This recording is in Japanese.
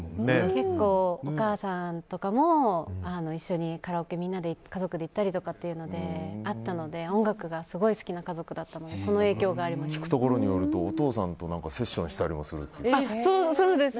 結構、お母さんとかも一緒にカラオケに家族で行ったりとかっていうのであったので音楽がすごい好きな家族だったので聞くところによるとお父さんとセッションしたりもするっていう。